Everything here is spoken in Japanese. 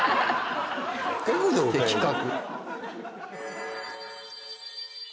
的確。